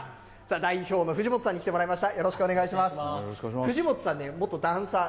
代表の藤本さんに来てもらいました。